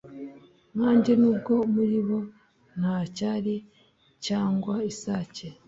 Nkanjye nubwo muri bo nta cyari cyangwa isake